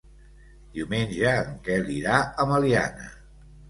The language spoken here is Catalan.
Diumenge en Quel irà a Meliana.